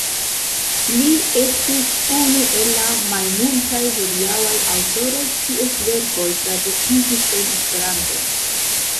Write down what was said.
Li estis unu el la malmultaj hodiaŭaj aŭtoroj, kies verkoj tradukiĝis en Esperanton.